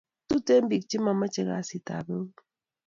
Tuten pik che mamache kasit ab out